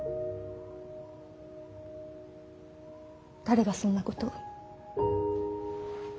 誰がそんなことを。